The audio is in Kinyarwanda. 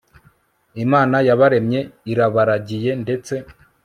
imana yabaremye irabaragiye ndetse